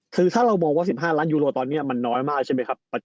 คือถ้าเรามองว่า๑๕ล้านยูโรตอนนี้มันน้อยมากใช่ไหมครับ